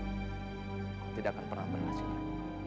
aku tidak akan pernah berlaju denganmu